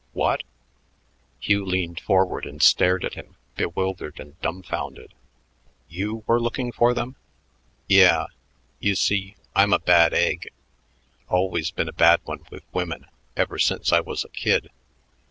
"What?" Hugh leaned forward and stared at him, bewildered and dumfounded. "You were looking for them?" "Yeah... You see, I'm a bad egg always been a bad one with women, ever since I was a kid.